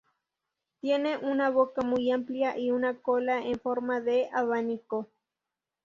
Tiene una boca muy amplia y una cola en forma de abanico.